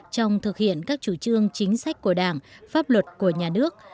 trước khi thực hiện các chủ trương chính sách của đảng pháp luật của nhà nước